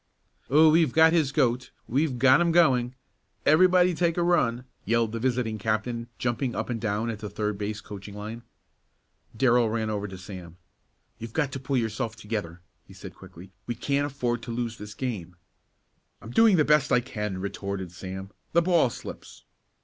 "Oh, we've got his goat! We've got 'em going! Everybody take a run!" yelled the visiting captain, jumping up and down at the third base coaching line. Darrell ran over to Sam. "You've got to pull yourself together," he said quickly. "We can't afford to lose this game." "I'm doing the best I can," retorted Sam. "The ball slips."